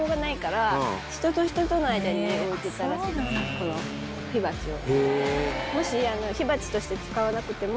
この火鉢を。